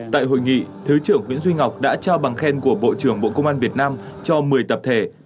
tại hội nghị thứ trưởng nguyễn duy ngọc đã trao bằng khen của bộ trưởng bộ công an việt nam cho một mươi tập thể